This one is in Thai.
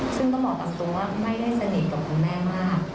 ซึ่งต้องบอกตามตรงว่าไม่ได้สนิทกับคุณแม่มาก